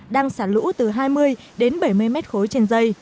đang xả lũ từ hai mươi đến bảy mươi m ba trên dây